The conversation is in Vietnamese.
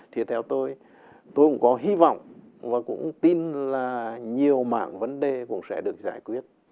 thì theo tôi tôi cũng có hy vọng và cũng tin là nhiều mảng vấn đề cũng sẽ được giải quyết